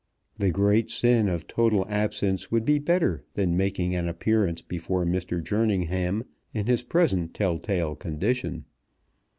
The great sin of total absence would be better than making an appearance before Mr. Jerningham in his present tell tale condition.